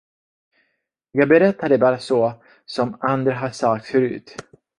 Jag berättade bara så, som andra har sagt förut.